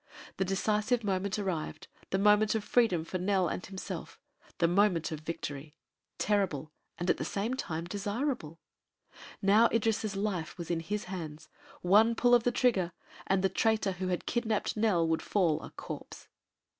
The decisive moment arrived the moment of freedom for Nell and himself the moment of victory terrible and at the same time desirable. Now Idris' life was in his hands. One pull of the trigger and the traitor who had kidnapped Nell would fall a corpse.